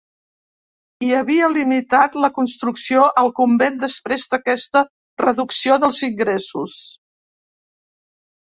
Hi havia limitat la construcció al convent després d'aquesta reducció dels ingressos.